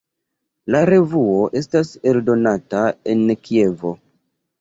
La revuo estas eldonata en Kievo.